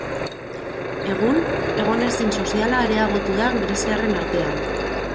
Egun egonezin soziala areagotu da greziarren artean.